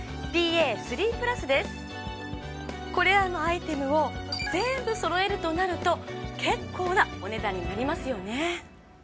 これらのアイテムを全部揃えるとなると結構なお値段になりますよね。